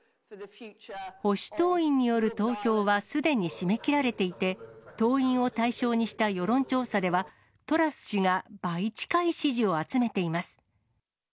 保守党員による投票はすでに締め切られていて、党員を対象にした世論調査では、トラス氏が倍近い支持を集めています。